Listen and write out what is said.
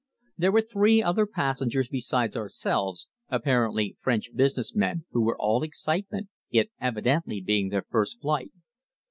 There were three other passengers beside ourselves, apparently French business men, who were all excitement, it evidently being their first flight.